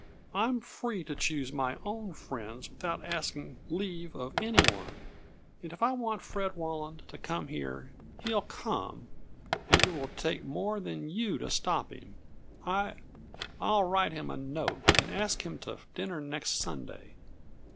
I'm free to choose my own friends without asking leave of any one, and if I want Fred Walland to come here, he'll come, and it will take more than you to stop him. I I'll write him a note, and ask him to dinner next Sunday.